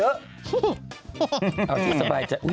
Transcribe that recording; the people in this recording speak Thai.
เอาที่สบายจ้ะ